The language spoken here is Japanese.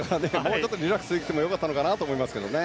ちょっとリラックスできてもよかったのかなと思います。